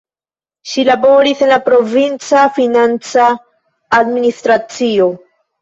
Ŝi laboris en la provinca financa administracio.